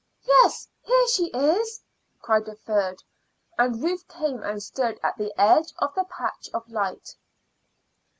"Yes, here she is," cried a third, and Ruth came and stood at the edge of the patch of light.